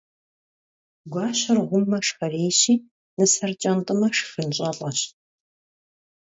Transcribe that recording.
Guaşer ğumme, şşxerêyşi, nıser ç'ent'me, şşxın ş'elh'eş.